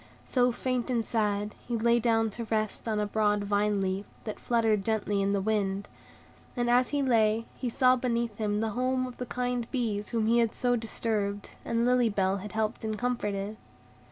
So, faint and sad, he lay down to rest on a broad vine leaf, that fluttered gently in the wind; and as he lay, he saw beneath him the home of the kind bees whom he had so disturbed, and Lily Bell had helped and comforted.